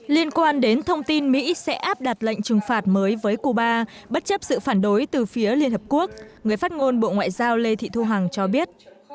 liên quan đến thông tin mỹ sẽ áp đặt lệnh trừng phạt mới với cuba bất chấp sự phản đối từ phía liên hợp quốc người phát ngôn bộ ngoại giao lê thị thu hằng cho biết